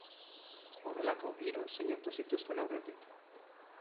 Horrelako hiru sinatu zituzten aurretik.